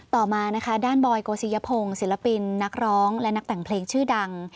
ต่อมานะคะด้านบอยโกศิยพงศ์ศิลปินนักร้องและนักแต่งเพลงชื่อดัง